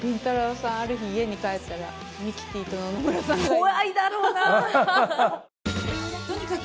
さんある日家に帰ったらミキティと野々村さんがいるの。